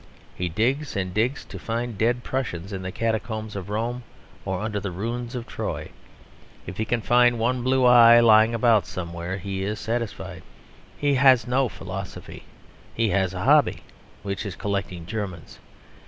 He digs and digs to find dead Prussians, in the catacombs of Rome or under the ruins of Troy. If he can find one blue eye lying about somewhere, he is satisfied. He has no philosophy. He has a hobby, which is collecting Germans.